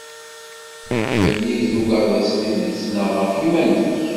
Fell-i i tuggadeḍ s tidet neɣ ɣef yiman-ik?